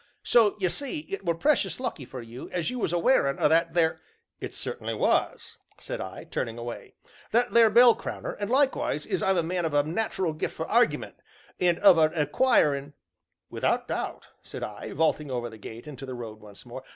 So ye see it were precious lucky for you as you was a wearin' o' that there " "It certainly was," said I, turning away. " that there bell crowner, and likewise as I'm a man of a nat'ral gift for argiment, and of a inquirin' " "Without doubt," said I, vaulting over the gate into the road once more.